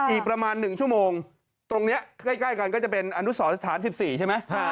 อีกประมาณ๑ชั่วโมงตรงนี้ใกล้กันก็จะเป็นอนุสรสถาน๑๔ใช่ไหม